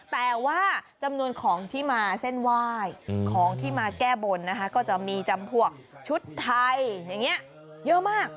แต่ว่าจำนวนของที่มาเส้นไหว้ของที่มาแก้บนนะคะก็จะมีจำพวกชุดไทยอย่างนี้เยอะมาก